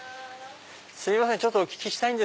すいません